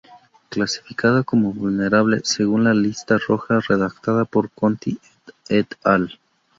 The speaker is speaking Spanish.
Clasificada como "Vulnerable" según la Lista Roja redactada por Conti et al.